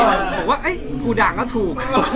บอกว่ากูด่างก็ถูก